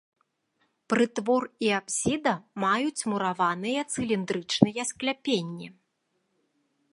Прытвор і апсіда маюць мураваныя цыліндрычныя скляпенні.